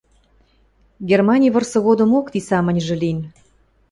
Германи вырсы годымок ти самыньжы лин.